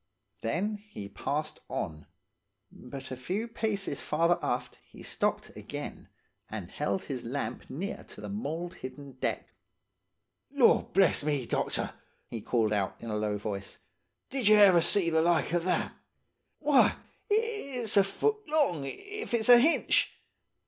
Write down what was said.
Then he passed on; but a few paces farther aft he stopped again, and held his lamp near to the mould hidden deck. "'Lord bless me, doctor,' he called out, in a low voice, 'did ye ever see the like of that? Why, it's a foot long, if it's a hinch!